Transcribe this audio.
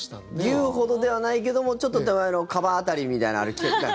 牛ほどではないけどもちょっと手前のカバ辺りみたいな歩き方。